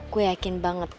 gue yakin banget